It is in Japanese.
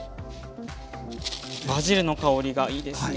バジルの香りがいいですね。